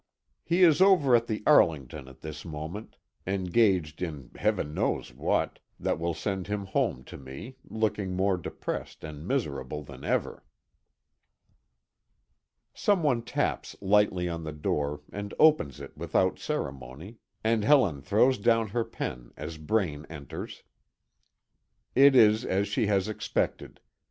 He is over at the Arlington at this moment, engaged in heaven knows what, that will send him home to me looking more depressed and miserable than ever. Some one taps lightly on the door, and opens it without ceremony, and Helen throws down her pen as Braine enters. It is as she has expected.